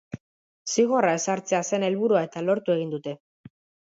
Zigorra ezartzea zen helburua, eta lortu egin dute.